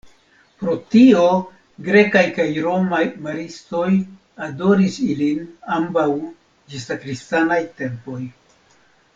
Pro tio grekaj kaj romaj maristoj adoris ilin ambaŭ ĝis la kristanaj tempoj.